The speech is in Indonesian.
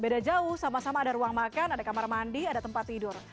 beda jauh sama sama ada ruang makan ada kamar mandi ada tempat tidur